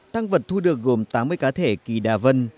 tăng vật thu được gồm tám mươi cá thể kỳ đà vân